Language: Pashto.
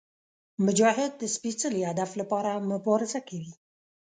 مجاهد د سپېڅلي هدف لپاره مبارزه کوي.